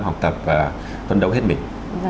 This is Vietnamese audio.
học tập và phân đấu hết mình